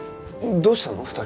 どうしたの？